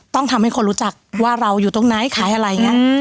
ต้องทำให้คนรู้จักว่าเราอยู่ตรงไหนขายอะไรอย่างนี้